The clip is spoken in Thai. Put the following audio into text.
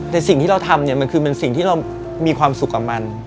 แต่สิ่งที่เราทำเนี่ยมันคือเป็นสิ่งที่เรามีความสุขกับมัน